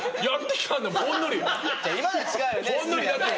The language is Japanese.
ほんのりだって。